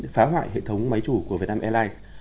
phá hoại hệ thống máy chủ của vietnam airlines